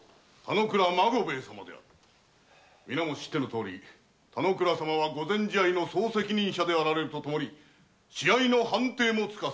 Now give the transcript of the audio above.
知ってのとおり田之倉様は御前試合の責任者であられると共に試合の判定もなされる。